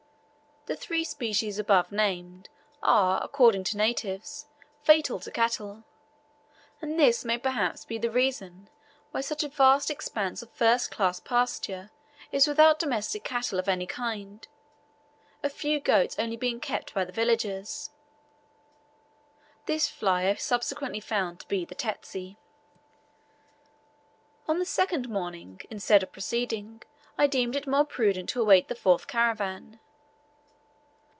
The three species above named are, according to natives, fatal to cattle; and this may perhaps be the reason why such a vast expanse of first class pasture is without domestic cattle of any kind, a few goats only being kept by the villagers. This fly I subsequently found to be the "tsetse." On the second morning, instead of proceeding, I deemed it more prudent to await the fourth caravan.